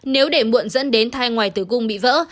nếu để muộn dẫn đến thai ngoài tử cung bị vỡ